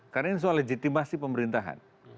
karena ini soal legitimasi pemerintahan